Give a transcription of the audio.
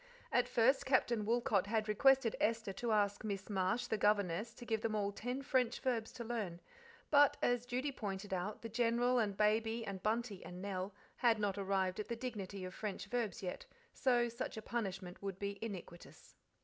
At first Captain Woolcot had requested Esther to ask Miss Marsh, the governess, to give them all ten French verbs to learn; but, as Judy pointed out, the General and Baby and Bunty and Nell had not arrived at the dignity of French verbs yet, so such a punishment would be iniquitous.